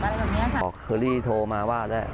ก็เอาส่วนนี้ไปซื้อให้ลูกหลานเรียนจะได้สะดวกอะไรแบบนี้ค่ะ